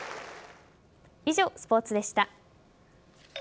以上、スポーツでした。